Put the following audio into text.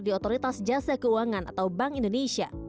di otoritas jasa keuangan atau bank indonesia